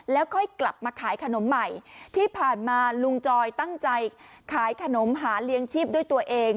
แล้วค่อยกลับมาขายขนมใหม่ที่ผ่านมาลุงจอยตั้งใจขายขนมหาเลี้ยงชีพด้วยตัวเอง